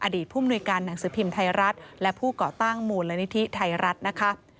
ผู้มนุยการหนังสือพิมพ์ไทยรัฐและผู้ก่อตั้งมูลนิธิไทยรัฐนะคะ